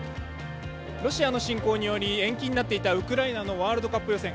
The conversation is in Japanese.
ロシアの侵攻により延期になっていたウクライナのワールドカップ予選。